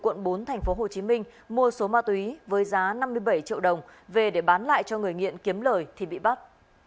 quận bốn tp hcm mua số ma túy với giá năm mươi bảy triệu đồng về để bán lại cho người nghiện kiếm lời thì bị bắt